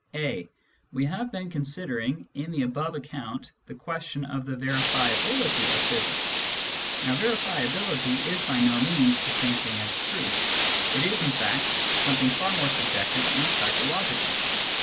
{a) We have been considering, in the above account, the question of the verifiability of physics. Now verifi ability is by no means the same thing as truth ; it is, in fact, something far more subjective and psychological.